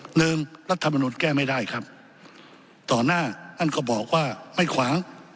หนึ่งรัฐมนุนแก้ไม่ได้ครับต่อหน้าท่านก็บอกว่าไม่ขวาง